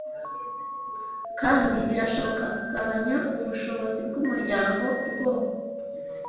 kandi birashobora kugabanya ubushobozi bwumuryango bwo